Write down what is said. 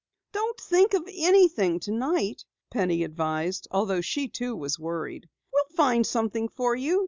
"Don't think of anything tonight," Penny advised, although she too was worried. "We'll find something for you.